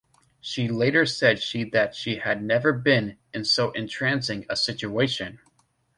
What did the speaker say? She later said she that she had never been "in so entrancing a situation".